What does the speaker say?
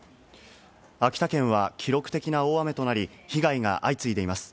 秋田県は記録的な大雨となり、被害が相次いでいます。